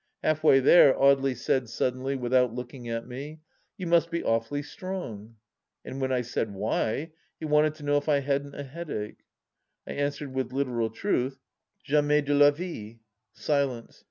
Half way there, Audely said suddenly, without looking at me, " You must be awfully strong." And when I said, " Why ?" he wanted to know if I hadn't a headache. I answered with literal truth, " Jamais de la vie !" Silence.